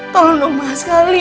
tolong ma sekali